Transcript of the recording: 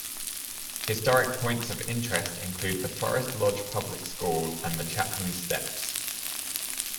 Historic points of interest include the Forest Lodge Public School and the Chapman Steps.